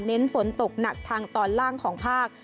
ฝนตกหนักทางตอนล่างของภาค